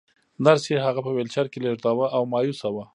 نرسې هغه په ويلچر کې لېږداوه او مايوسه وه.